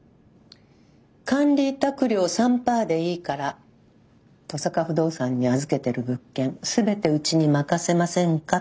「管理委託料３パーでいいから登坂不動産に預けてる物件全てうちに任せませんか」